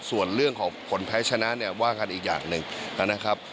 ส่วนเรื่องของผลแพ้ชนะเนี่ยว่ากันอีกอย่างหนึ่งนะครับ